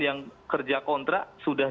yang kerja kontrak sudah